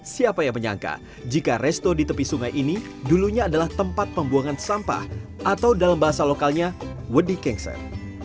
siapa yang menyangka jika resto di tepi sungai ini dulunya adalah tempat pembuangan sampah atau dalam bahasa lokalnya wedi kengser